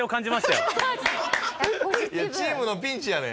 いやチームのピンチやねん。